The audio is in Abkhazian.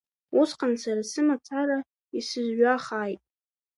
Усҟан сара сымацара исызҩахааит!